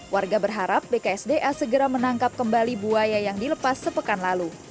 warga berharap bksda segera menangkap kembali buaya yang dilepas sepekan lalu